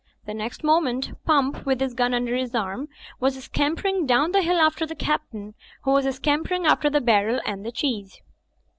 The next moment Pump, with his gun under his arm, was scampering down the hill after the Captain, who was scampering after the barrel and the cheese.